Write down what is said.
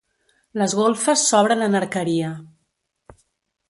Les golfes s'obren en arqueria.